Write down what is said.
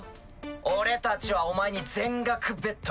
俺たちはお前に全額ベット。